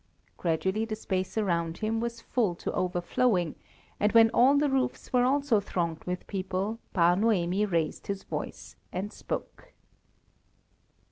Gradually the space around him was full to overflowing, and when all the roofs were also thronged with people, Bar Noemi raised his voice and spoke.